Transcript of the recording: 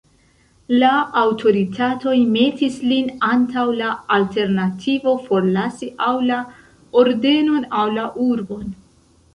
La aŭtoritatoj metis lin antaŭ la alternativo forlasi aŭ la ordenon aŭ la urbon.